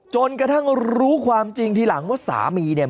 จนกระทั่งรู้ความจริงทีหลังว่าสามีเนี่ย